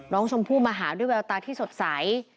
น้องชมพู่มาหาด้วยแววตาที่สดใส